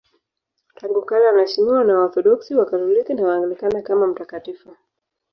Tangu kale anaheshimiwa na Waorthodoksi, Wakatoliki na Waanglikana kama mtakatifu.